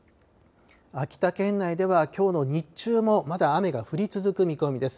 秋田県内ではきょうの日中もまだ雨が降り続く見込みです。